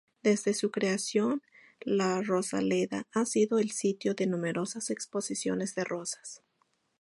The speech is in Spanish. Desde su creación, la rosaleda ha sido el sitio de numerosas exposiciones de rosas.